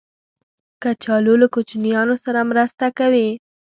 کچالو له کوچنیانو سره مرسته کوي